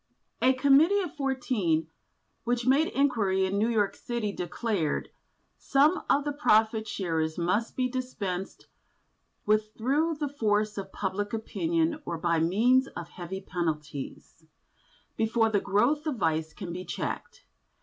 A Committee of Fourteen, which made inquiry in New York City, declared: "Some of the profit sharers must be dispensed with through the force of public opinion or by means of heavy penalties, before the growth of vice can be checked.